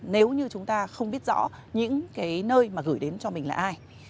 nếu như chúng ta không biết rõ những cái nơi mà gửi đến cho mình là ai